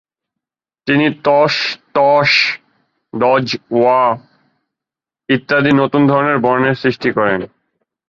তিনি ত্স, ত্শ, দ্জ, 'অ ইত্যাদি নতুন ধরনের বর্ণেরও সৃষ্টি করেন।